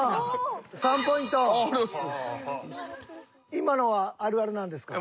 今のはあるあるなんですか？